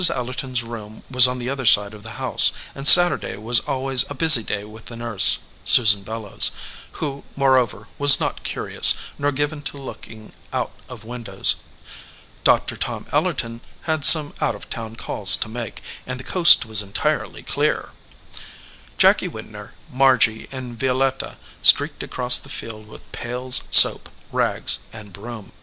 Ellerton s room was on the other side of the house, and Saturday was always a busy day with the nurse, Susan Bellows, who, moreover, was not curious, nor given to look ing out of windows. Doctor Tom Ellerton had some out of town calls to make, and the coast was entirely clear. Jacky Widner, Margy, and Vio letta streaked across the field with pails, soap, rags, and broom.